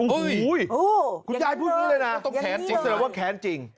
คุณยายพูดนี้เลยนะต้องแค้นจริงค่ะ